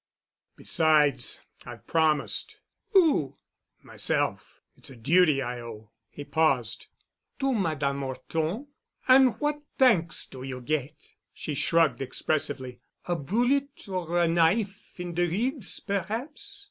Besides, I've promised." "Who?" "Myself. It's a duty I owe——," he paused. "To Madame 'Orton? An' what t'anks do you get?" She shrugged expressively. "A bullet or a knife in de ribs, perhaps.